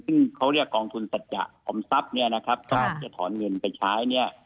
ซึ่งเขาเรียกกองทุนเศรษฐ์ออมทรัพย์ต้องการจะถอนเงินไปใช้